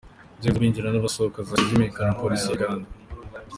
Inzego z’abinjira n’abasohoka zahise zimenyesha Polisi ya Uganda.